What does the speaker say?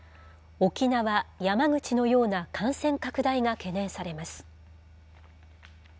沖縄、山口のような感染拡大が懸念されます。